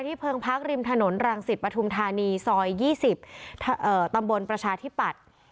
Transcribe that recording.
ที่เพิงพักริมถนนรังศิษย์ปฐุมธานีซอยยี่สิบเอ่อตำบลประชาธิบัติ